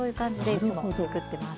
いつもつくってます。